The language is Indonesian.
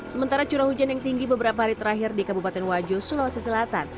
sementara curah hujan yang tinggi beberapa hari terakhir di kabupaten wajo sulawesi selatan